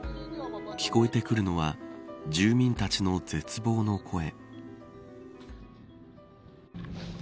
聞こえてくるのは住民たちの絶望の声。